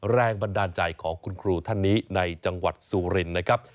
แรงบันดาลใจของคุณครูท่านนี้ในจังหวัดสุรินนะครับ